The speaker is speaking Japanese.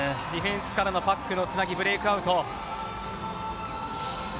ディフェンスからのパックのつなぎブレークアウト。